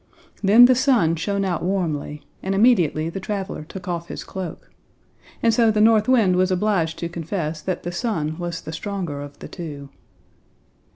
Then the Sun shined out warmly, and immediately the traveler took off his cloak. And so the North Wind was obliged to confess that the Sun was the stronger of the two.